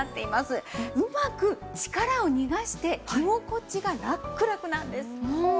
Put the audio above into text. うまく力を逃がして着心地がラクラクなんです。